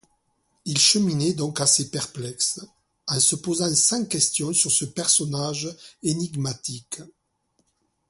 Il cheminait donc assez perplexe, en se posant cent questions sur ce personnage énigmatique.